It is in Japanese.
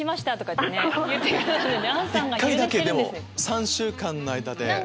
１回だけ⁉３週間の間で。